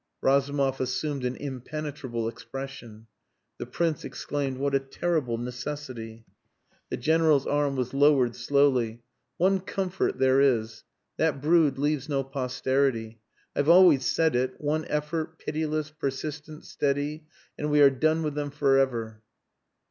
Razumov assumed an impenetrable expression. The Prince exclaimed "What a terrible necessity!" The General's arm was lowered slowly. "One comfort there is. That brood leaves no posterity. I've always said it, one effort, pitiless, persistent, steady and we are done with them for ever."